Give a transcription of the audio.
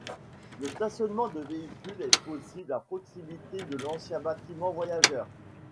Le stationnement de véhicules est possible à proximité de l'ancien bâtiment voyageurs.